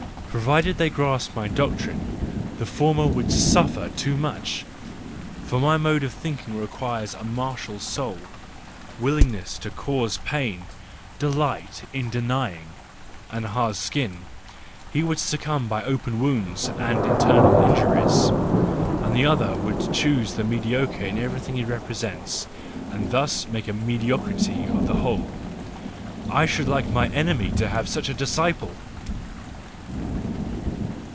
Provided they grasped my doctrine, the former would suffer too much, for my mode of thinking requires a martial soul, willingness to cause pain, delight in denying, and a hard skin,—he would succumb by open wounds and internal injuries. And the other will choose the mediocre in every¬ thing he represents, and thus make a mediocrity of the whole,—I should like my enemy to have such a disciple.